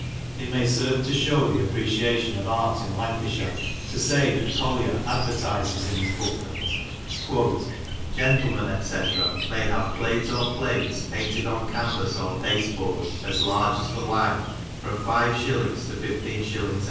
It may serve to show the appreciation of art in Lancashire to say that Collier advertises in his book that: — "Gentle men, &c., may have Plate or Plates, Painted on Canvas or Pasteboard as large as the life, from 5 s. to 15 s.